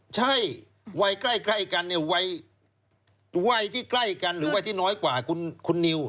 ใช่วัยใกล้กันเนี่ยวัยที่ใกล้กันหรือวัยที่น้อยกว่าคุณนิว